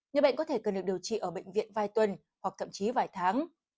người bệnh có thể cần được điều trị ở bệnh viện vài tuần hoặc thậm chí vài tháng